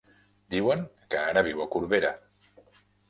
Diuen que ara viu a Corbera.